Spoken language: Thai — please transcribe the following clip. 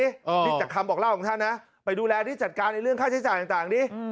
นี่จากคำบอกเล่าของท่านนะไปดูแลดิจัดการในเรื่องค่าใช้จ่ายต่างดิ